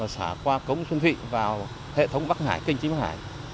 xả qua cống xuân thụy vào hệ thống bắc hải kênh chính bắc hải